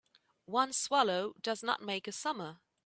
One swallow does not make a summer